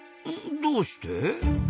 どうして？